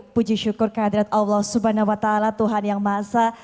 puji syukur kehadirat allah swt tuhan yang maha